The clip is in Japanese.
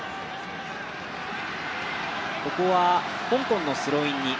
ここは、香港のスローイン。